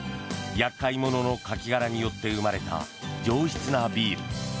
厄介者のカキ殻によって生まれた上質なビール。